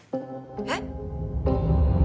えっ？